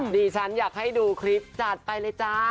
ดิฉันอยากให้ดูคลิปจัดไปเลยจ้า